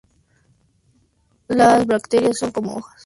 Las brácteas son como hojas.